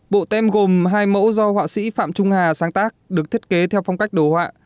bộ tem gồm hai mẫu do họa sĩ phạm trung hà sáng tác được thiết kế theo phong cách đồ họa